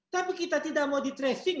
tapi kita tidak mau di tracing